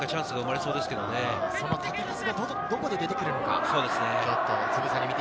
その縦パスがどこで出てくるのか。